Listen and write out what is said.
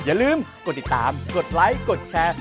อย่าลืมกดติดตามกดไลค์กดแชร์